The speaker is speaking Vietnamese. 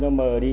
nó mờ đi